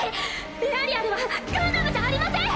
エアリアルはガンダムじゃありません！